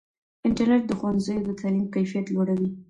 انټرنیټ د ښوونځیو د تعلیم کیفیت لوړوي.